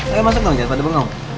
ayo masuk dong jangan pada bengong